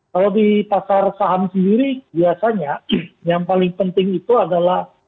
kalau di pasar saham sendiri biasanya yang paling penting itu adalah